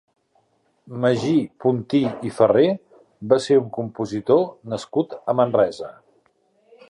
Magí Pontí i Ferrer va ser un compositor nascut a Manresa.